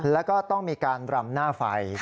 แล้วก็ต้องมีการรำหน้าไฟ